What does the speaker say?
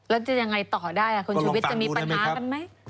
แล้วจะยังไงต่อได้คุณชุวิตจะมีปัญหากันไหม